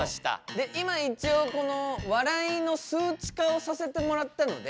で今一応この笑いの数値化をさせてもらったので。